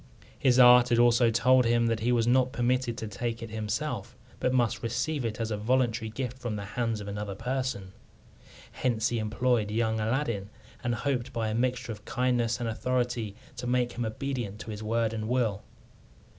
His art had also told him that he was not permitted to take it himself, but must receive it as a voluntary gift from the hands of another person. Hence he employed young Aladdin, and hoped by a mixture of kindness and authority to make him obedient to his word and will.